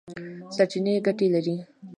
سرچینې ګټې لري.